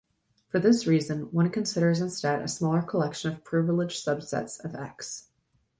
For this reason, one considers instead a smaller collection of privileged subsets of "X".